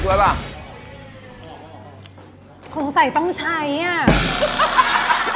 ได้ป่ะพุ่งสัยต้องใช้หรอ